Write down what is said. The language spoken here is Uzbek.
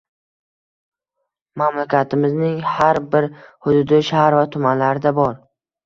Mamlakatimizning har bir hududi, shahar va tumanlarida bor.